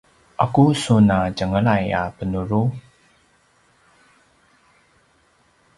aqu sun a tjenglay a benuru?